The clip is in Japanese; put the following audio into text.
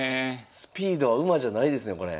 スピードは馬じゃないですねこれ。